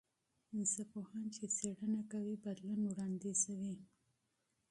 ژبپوهان چې څېړنه کوي، بدلون وړاندیزوي.